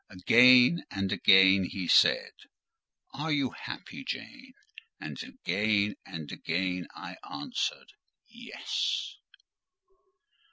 Again and again he said, "Are you happy, Jane?" And again and again I answered, "Yes."